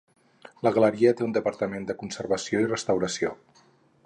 La galeria té un departament de conservació i restauració.